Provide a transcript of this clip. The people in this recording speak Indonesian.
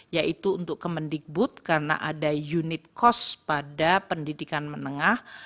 yaitu untuk kemendikbud karena ada unit cost pada pendidikan menengah